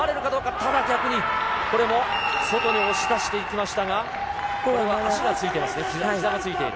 ただ逆に、これも外に押し出していきましたが、まだ足がついていますね、ひざがついている。